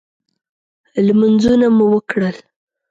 لمنځونه مو وکړل.